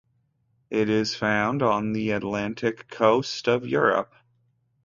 It is found on the Atlantic coast of Europe.